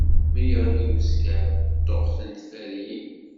Mi yeɣli uzger, ṭṭuqqten tferyin.